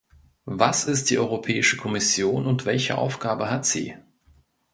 Was ist die Europäische Kommission und welche Aufgaben hat sie?